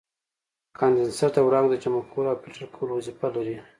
کاندنسر د وړانګو د جمع کولو او فلټر کولو وظیفه لري.